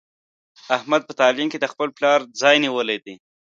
احمد په تعلیم کې د خپل پلار ځای نیولی دی.